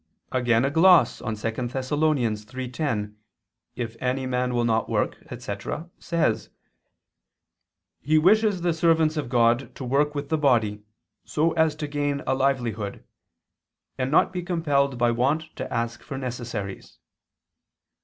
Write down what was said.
Again a gloss [*St. Augustine, (De oper. Monach. iii)] on 2 Thess. 3:10, "If any man will not work," etc. says: "He wishes the servants of God to work with the body, so as to gain a livelihood, and not be compelled by want to ask for necessaries."